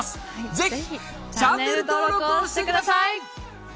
ぜひチャンネル登録をしてください！